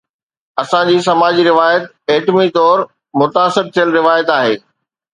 اسان جي سماجي روايت ايٽمي طور متاثر ٿيل روايت آهي.